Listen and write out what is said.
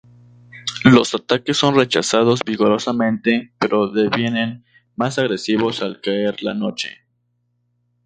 Los ataques son rechazados vigorosamente pero devienen más agresivos al caer la noche.